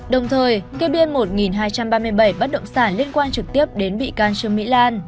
đồng thời kê biên một hai trăm ba mươi bảy bất động sản liên quan trực tiếp đến bị can trương mỹ lan